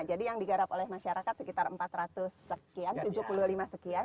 jadi yang digarap oleh masyarakat sekitar empat ratus sekian tujuh puluh lima sekian